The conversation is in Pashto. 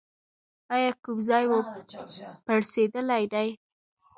ایا کوم ځای مو پړسیدلی دی؟